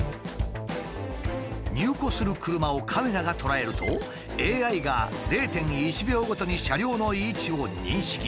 入庫する車をカメラが捉えるとＡＩが０．１秒ごとに車両の位置を認識。